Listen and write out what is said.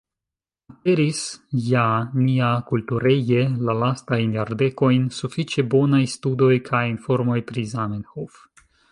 Aperis ja niakultureje la lastajn jardekojn sufiĉe bonaj studoj kaj informoj pri Zamenhof.